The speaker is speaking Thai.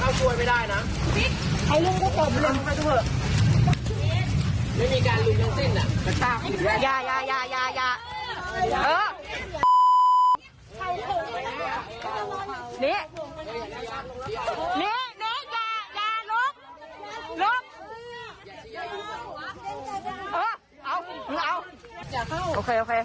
นี่นี่นี่อย่าอย่าลุกลุกเอ้าเอาอย่าเข้าโอเคโอเค